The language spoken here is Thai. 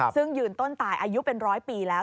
ซึ่งยืนต้นตายอายุเป็นร้อยปีแล้ว